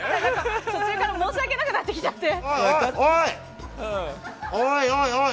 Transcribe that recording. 途中から申し訳なくなってきちゃって。